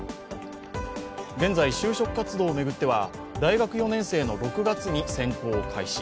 現在、就職活動を巡っては大学４年生の６月に選考を開始。